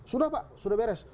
sudah pak sudah beres